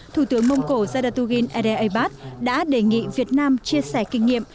thủ tướng mông cổ chagatulgin ede abad đã đề nghị việt nam chia sẻ kinh nghiệm